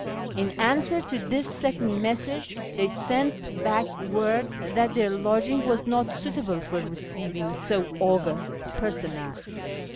In answer to this second message they sent back word that their lodging was not suitable for receiving so august a personage.